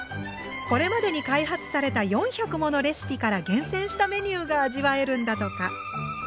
これまでに開発された４００ものレシピから厳選したメニューが味わえるんだとか。